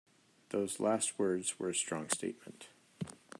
Those last words were a strong statement.